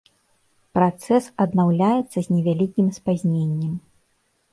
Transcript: Працэс аднаўляецца з невялікім спазненнем.